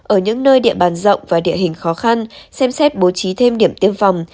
ở những nơi địa bàn rộng và địa hình khó khăn xem xét bố trí thêm điểm tiêm phòng